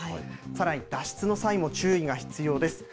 さらに脱出の際も注意が必要です。